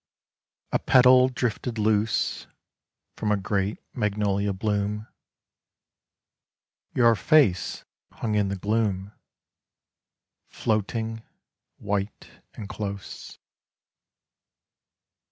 A PETAL drifted loose From a great magnolia bloom, Your face hung in the gloom, Floating, white and close.